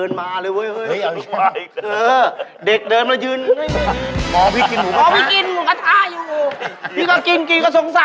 ทำไมเราผมของน่ะ